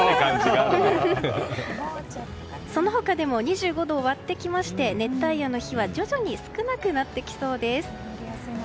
その他でも２５度を割ってきまして熱帯夜の日は徐々に少なくなってきそうです。